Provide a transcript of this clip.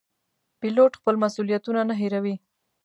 پیلوټ خپل مسوولیتونه نه هېروي.